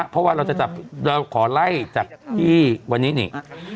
เพราะว่าเราจะจับเราขอไล่จากที่วันนี้นี่